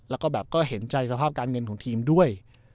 แล้วก็แบบก็เห็นใจสภาพการเงินของทีมด้วย